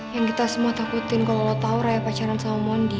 yang kita semua takutin kalau tau raya pacaran sama mondi